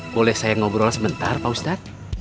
boleh saya ngobrol sebentar pak ustadz